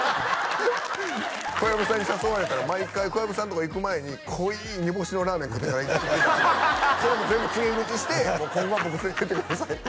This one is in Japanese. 小籔さんに誘われたら毎回小籔さんのとこ行く前に濃い煮干しのラーメン食ってから行ってたんでそういうの全部告げ口して「今後は僕連れていってください」って